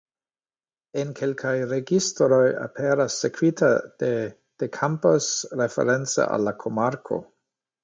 En kelkaj registroj aperas sekvita de "de Campos" reference al la komarko.